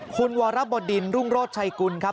คุณวรบดินรุ่งโรธชัยกุลครับ